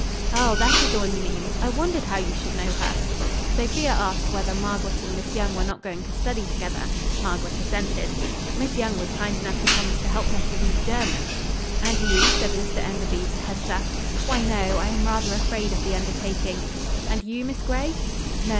"Oh, that is all you mean! I wondered how you should know her." Sophia asked whether Margaret and Miss Young were not going to study together: Margaret assented. Miss Young was kind enough to promise to help her to read German. "And you?" said Mr Enderby to Hester. "Why, no; I am rather afraid of the undertaking." "And you, Miss Grey?" "No.